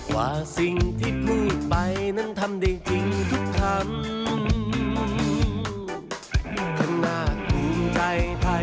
ถ้าอนุทินได้เป็นนายกของคนทุกคนโสดคนโรคคนไพร